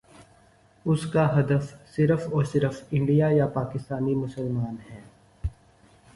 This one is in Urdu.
اس کا ہدف صرف اور صرف انڈین یا پاکستانی مسلمان ہیں۔